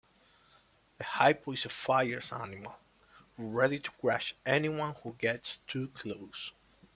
The Hippo is a fierce animal; ready to crush anyone who gets too close.